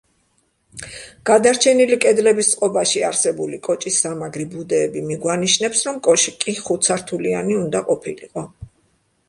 გადარჩენილი კედლების წყობაში არსებული კოჭის სამაგრი ბუდეები მიგვანიშნებს, რომ კოშკი ხუთსართულიანი უნდა ყოფილიყო.